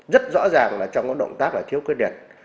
rất rõ ràng là trong các động tác là thiếu quyết liệt